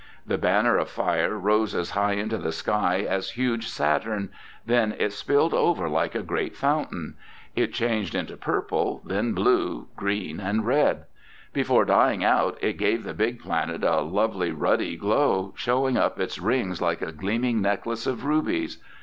The banner of fire rose as high into the sky as huge Saturn. Then it spilled over like a great fountain. It changed into purple, then blue, green and red. Before dying out, it gave the big planet a lovely ruddy glow, showing up its rings like a gleaming necklace of rubies.